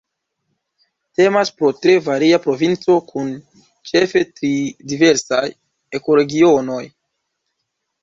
Temas pro tre varia provinco kun ĉefe tri diversaj ekoregionoj.